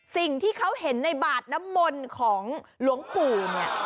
สิ่งที่เขาเห็นในบาดน้ำมนต์ของหลวงปู่เนี่ย